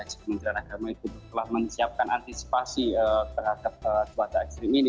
dan kementerian agama telah menyiapkan antisipasi terhadap cuaca ekstrim ini